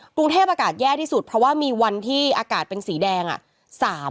กรุงเทพอากาศแย่ที่สุดเพราะว่ามีวันที่อากาศเป็นสีแดงอ่ะ